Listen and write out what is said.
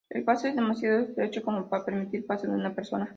El paso es demasiado estrecho como para permitir el paso de una persona.